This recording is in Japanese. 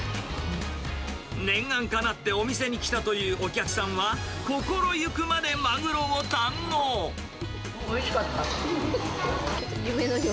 念願かなってお店に来たというお客さんは、おいしかった。